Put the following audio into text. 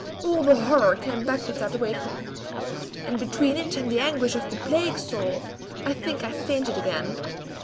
All the horror came back with that awakening, and between it and anguish of the plague sore I think I fainted again."